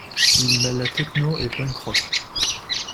Ils mêlent techno et punk rock.